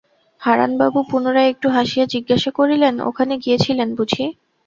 হারানবাবু পুনরায় একটু হাসিয়া জিজ্ঞাসা করিলেন, ওখানে গিয়েছিলেন বুঝি?